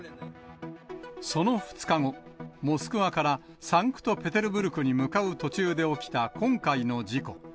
その２日後、モスクワからサンクトペテルブルクに向かう途中で起きた今回の事故。